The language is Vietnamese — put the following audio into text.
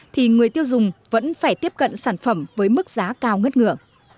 thì người tiêu dùng vẫn phải tiếp cận sản phẩm với mức giá cao ngất ngựa